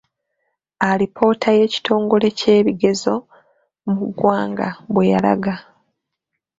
Alipoota y’ekitongole ky'ebigezo mu gwanga bwe yalaga.